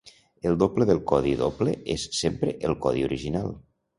El doble del codi doble és sempre el codi original.